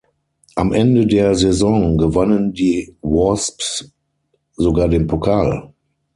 Am Ende der Saison gewannen die Wasps sogar den Pokal.